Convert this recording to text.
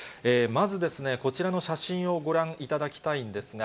まずですね、こちらの写真をご覧いただきたいんですが。